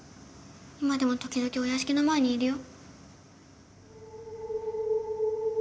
今でも時々お屋敷の前にいるよ。